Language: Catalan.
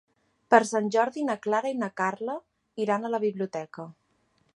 Per Sant Jordi na Clara i na Carla iran a la biblioteca.